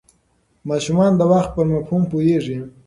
ماشومان د وخت پر مفهوم پوهېږي.